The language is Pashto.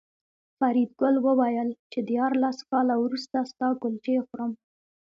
فریدګل وویل چې دیارلس کاله وروسته ستا کلچې خورم